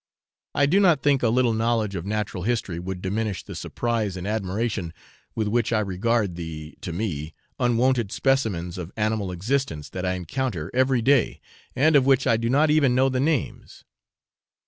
I do not think a little knowledge of natural history would diminish the surprise and admiration with which I regard the, to me, unwonted specimens of animal existence that I encounter every day, and of which I do not even know the names.